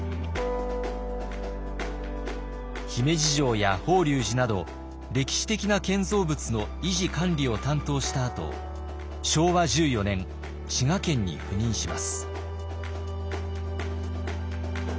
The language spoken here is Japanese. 姫路城や法隆寺など歴史的な建造物の維持管理を担当したあと昭和１４年滋賀県に赴任します。